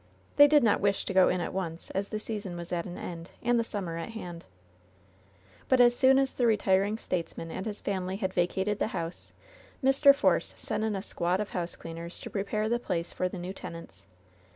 They did not wish to go in at once, as the season was at an end, and the summer at hand. 84 LOVE'S BITTEREST CUP But as soon as the retiring statesman and his family had vacated the house Mr. Force sent in a squad of housecleaners to prepare the place for the new tenants.